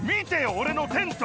俺のテント